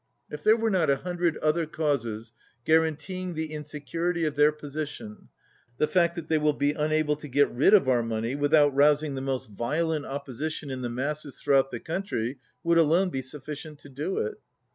If there were not a hundred other causes guaranteeing the insecurity of their posi tion, the fact that they will be unable to get rid of our money without rousing the most violent opposition in the masses throughout the country would alone be sufficient to do it."